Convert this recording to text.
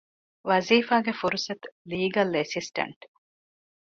ވަޒިފާގެ ފުރުސަތު - ލީގަލް އެސިސްޓަންޓް